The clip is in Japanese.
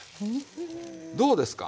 どうですか？